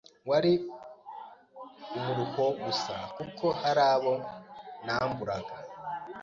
wari umuruho gusa kuko hari abo namburaga